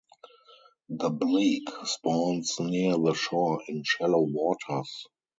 The bleak spawns near the shore in shallow waters.